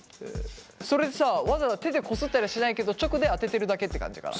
それってさわざわざ手でこすったりはしないけど直で当ててるだけって感じかな？